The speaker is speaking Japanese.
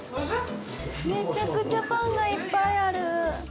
めちゃくちゃパンがいっぱいある。